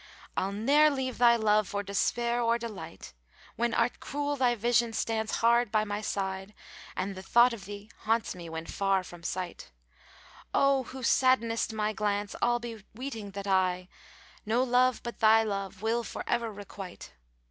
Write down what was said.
* I'll ne'er leave thy love for despair or delight: When art cruel thy vision stands hard by my side * And the thought of thee haunts me when far from sight: O who saddenest my glance albe weeting that I * No love but thy love will for ever requite?